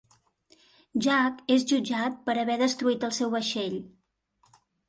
Jack és jutjat per haver destruït el seu vaixell.